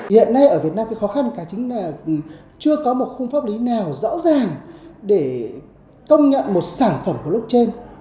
hiện nay ở việt nam cái khó khăn cả chính là chưa có một khung pháp lý nào rõ ràng để công nhận một sản phẩm của lúc trên